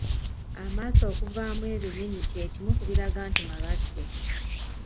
Amaaso okuvaamu ebinyinyi kye kimu kibiraga nti malwadde.